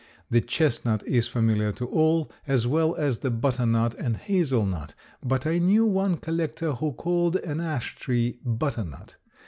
The chestnut is familiar to all, as well as the butternut and hazelnut, but I knew one collector who called an ash tree butternut.